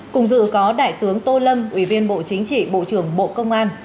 cùng dự có đại tướng tô lâm ủy viên bộ chính trị bộ trưởng bộ công an